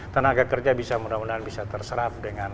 tenaga kerja bisa mudah mudahan bisa terserap dengan